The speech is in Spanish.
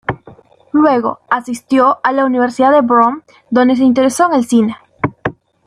Luego asistió a la Universidad de Brown, donde se interesó en el cine.